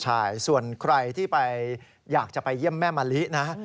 ใช่ส่วนใครที่ไปอยากจะไปเยี่ยมแม่มะลินะ